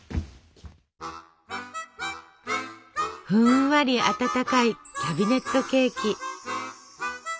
ふんわり温かいキャビネットケーキ。